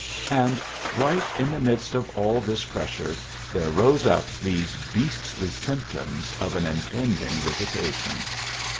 And right in the midst of all this pressure there rose up these beastly symptoms of an impending visitation.